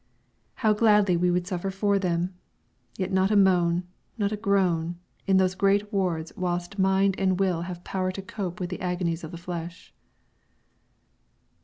How gladly we would suffer for them! Yet not a moan, not a groan, in those great wards whilst mind and will have power to cope with the agonies of the flesh.